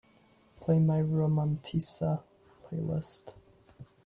Play my Romántica playlist